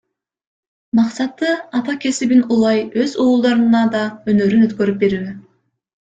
Максаты — ата кесибин улай өз уулдарына да өнөрүн өткөрүп берүү.